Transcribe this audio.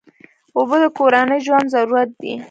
اوبه د کورنۍ ژوند ضرورت دی.